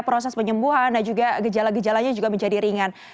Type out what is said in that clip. proses penyembuhan dan juga gejala gejalanya juga menjadi ringan